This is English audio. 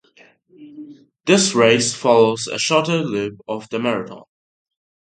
This race follows a shorter loop of the marathon.